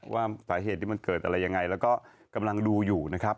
ว่าสาเหตุที่มันเกิดอะไรยังไงแล้วก็กำลังดูอยู่นะครับ